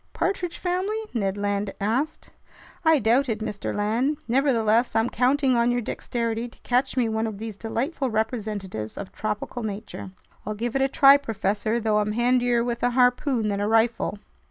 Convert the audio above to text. "Partridge family?" Ned Land asked. "I doubt it, Mr. Land. Nevertheless, I'm counting on your dexterity to catch me one of these delightful representatives of tropical nature!" "I'll give it a try, professor, though I'm handier with a harpoon than a rifle."